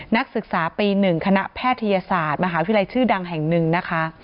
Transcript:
นักศึกษาปี๑คณะแพทยศาสตร์มหาวิทยาลัยชื่อดังแห่งหนึ่งนะคะ